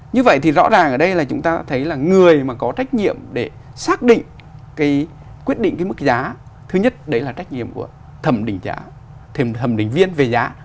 như vậy thì rõ ràng ở đây là chúng ta thấy là người mà có trách nhiệm để xác định cái quyết định cái mức giá thứ nhất đấy là trách nhiệm của thẩm định giá thẩm định viên về giá